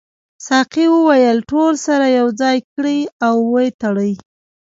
ساقي وویل ټول سره یو ځای کړئ او وتړئ.